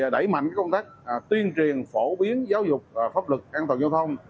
đẩy mạnh công tác tuyên truyền phổ biến giáo dục pháp lực an toàn giao thông